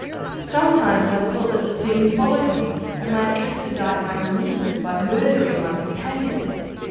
Sometimes I thought that the fiend followed me and might expedite my remissness by murdering my companion.